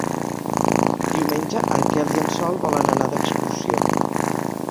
Diumenge en Quel i en Sol volen anar d'excursió.